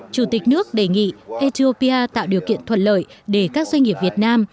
chủ tịch nước đề nghị ethiopia tạo điều kiện thuận lợi để các doanh nghiệp việt nam